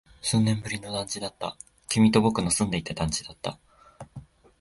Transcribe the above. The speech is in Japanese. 数年ぶりの団地だった。君と僕の住んでいた団地だった。